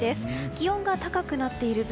気温が高くなっている分